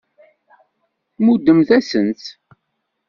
Tmuddemt-asent-tt.